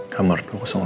kamu cari aku ke hotel